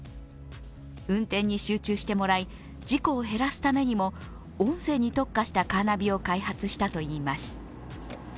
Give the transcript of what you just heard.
運転に集中してもらい、事故を減らすためにも音声に特化したカーナビを開発したといいます。